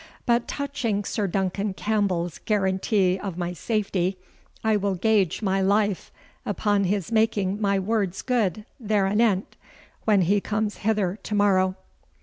But, touching Sir Duncan Campbell's guarantee of my safety, I will gage my life upon his making my words good thereanent, when he comes hither to morrow."